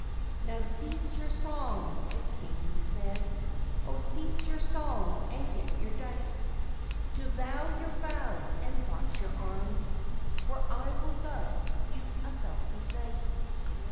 _ "Now cease your song," the King he said, "Oh, cease your song and get you dight To vow your vow and watch your arms, For I will dub you a belted knight.